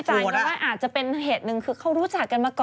น้องเขาบอกว่าไม่รู้จักไง